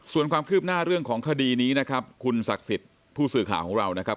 ส่วนความคืบหน้าเรื่องของคดีนี้นะครับคุณศักดิ์สิทธิ์ผู้สื่อข่าวของเรานะครับ